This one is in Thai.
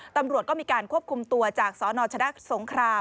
ตำรวจก็มีการควบคุมตัวจากสนชนะสงคราม